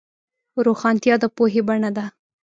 روښانتیا د پوهې بڼه ده.